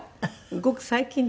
ごく最近です。